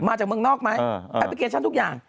มาจากเมืองนอกไหมแอปพลิเคชันทุกอย่าง